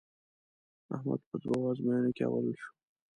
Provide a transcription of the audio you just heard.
احمد په دوو ازموینو کې اول شو.